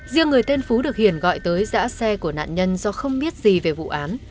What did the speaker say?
riêng người tên phú được hiển gọi tới giã xe của nạn nhân do không biết gì về vụ án